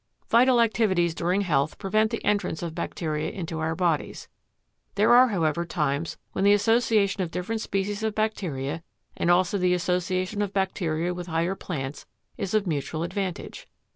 Vital activities during health prevent the entrance of bacteria into our bodies. There are, however, times when the association of different species of bacteria and also the association of bacteria with higher plants is of mutual advantage.